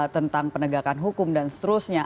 tentang penegakan hukum dan seterusnya